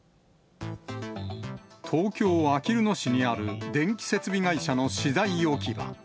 東京・あきる野市にある電気設備会社の資材置き場。